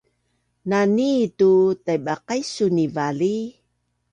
nanitu taibaqaisun i vali